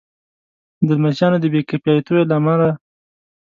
د لمسیانو د بې کفایتیو له امله.